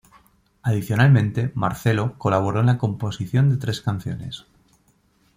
Adicionalmente, Marcello colaboró en la composición de tres canciones.